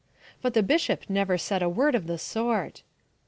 But the bishop never said a word of the sort.